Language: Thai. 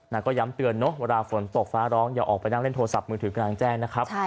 ก็ย้ำเตือนเนอะเวลาฝนตกฟ้าร้องอย่าออกไปนั่งเล่นโทรศัพท์มือถือกลางแจ้งนะครับ